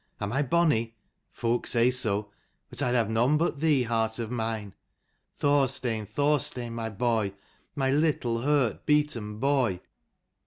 Am I bonny? Folk say so; but I'd have none but thee, heart of mine. Thorstein, Thorstein : my boy, my little hurt beaten boy